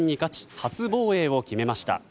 初防衛を決めました。